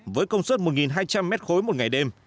với công suất một hai trăm linh m ba một ngày đêm